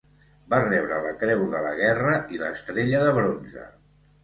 Va rebre la Creu de la Guerra i l'Estrella de Bronze.